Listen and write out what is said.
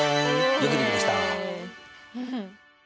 よくできました。